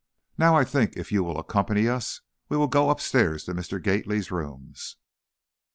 Now, I think, if you will accompany us, we will go upstairs to Mr. Gately's rooms."